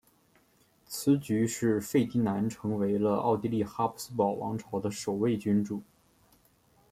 此举使费迪南成为了奥地利哈布斯堡皇朝的首位君主。